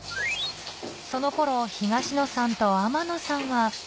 その頃東野さんと天野さんは？